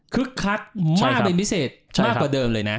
คักมากเป็นพิเศษมากกว่าเดิมเลยนะ